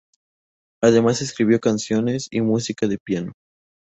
Además escribió canciones y música de piano.